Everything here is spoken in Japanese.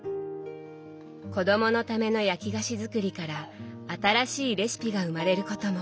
子どものための焼き菓子作りから新しいレシピが生まれることも。